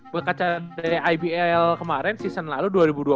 berkaca dari ibl kemarin season lalu dua ribu dua puluh